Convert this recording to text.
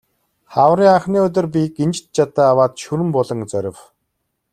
Хаврын анхны өдөр би гинжит жадаа аваад Шүрэн буланг зорив.